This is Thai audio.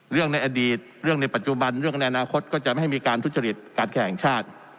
ในอดีตเรื่องในปัจจุบันเรื่องในอนาคตก็จะไม่ให้มีการทุจริตการแข่งชาติ